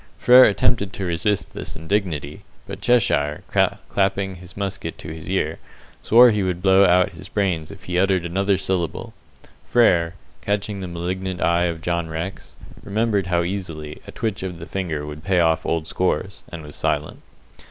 Frere attempted to resist this indignity, but Cheshire, clapping his musket to his ear, swore he would blow out his brains if he uttered another syllable; Frere, catching the malignant eye of John Rex, remembered how easily a twitch of the finger would pay off old scores, and was silent.